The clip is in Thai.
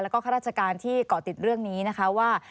แล้วก็ข้าราชการที่เกาะติดเรื่องนี้นะคะว่า